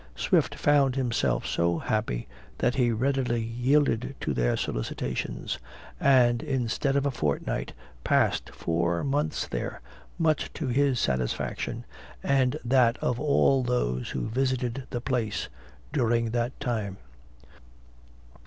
Swift found himself so happy, that he readily yielded to their solicitations; and instead of a fortnight, passed four months there, much to his satisfaction, and that of all those who visited the place during that time.